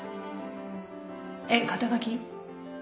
えっ肩書？